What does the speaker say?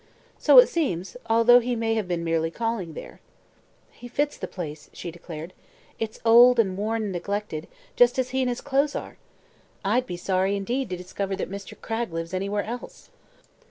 "So it seems, although he may have been merely calling there." "He fits the place," she declared. "It's old and worn and neglected, just as he and his clothes are. I'd be sorry, indeed, to discover that Mr. Cragg lives anywhere else."